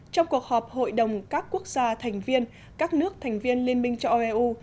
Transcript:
trong cuộc họp hội đồng các quốc gia thành viên các nước thành viên liên minh cho eu